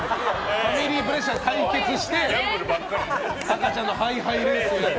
ファミリープレッシャーで対決して赤ちゃんのハイハイレースをやって。